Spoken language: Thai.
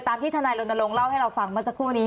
ตามที่ฐานายลนตรงเล่าให้เราฟังมาสักครู่นี้